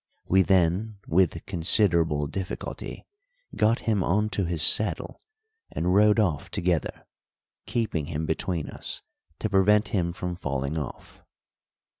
We then with considerable difficulty got him on to his saddle and rode off together, keeping him between us to prevent him from falling off.